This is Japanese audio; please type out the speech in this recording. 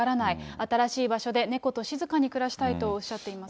新しい場所で猫と静かに暮らしたいとおっしゃっています。